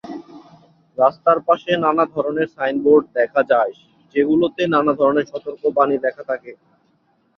রাস্তার পাশে নানা ধরনের সাইনবোর্ড দেখা যায়, যেগুলোতে নানা ধরনের সতর্কবাণী লেখা থাকে।